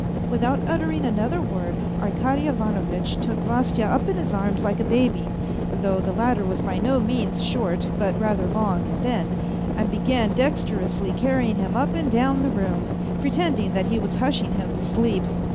" Without uttering another word Arkady Ivanovitch took Vasya up in his arms like a baby, though the latter was by no means short, but rather long and thin, and began dexterously carrying him up and down the room, pretending that he was hushing him to sleep.